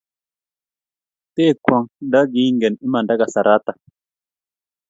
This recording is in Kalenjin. Tekwong' nda kinge imanda kasaratak.